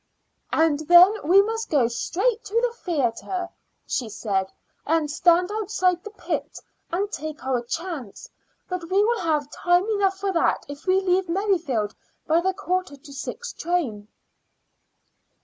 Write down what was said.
"And then we must go straight to the theatre," she said, "and stand outside the pit, and take our chance; but we will have time enough for that if we leave Merrifield by the quarter to six train."